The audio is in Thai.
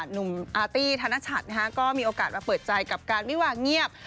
หนุ่มอาร์ตี้ธนชัดก็มีโอกาสมาเปิดใจกับการวิวาเงียบ